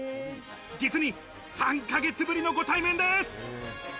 実に３ヶ月ぶりのご対面です。